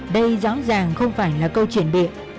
đây rõ ràng không phải là câu chuyện địa